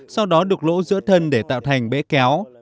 sau đó đục lỗ giữa thân để tạo thành bể kéo